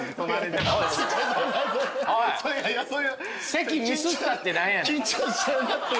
「席ミスった」って何やねん。